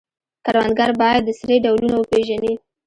کروندګر باید د سرې ډولونه وپیژني.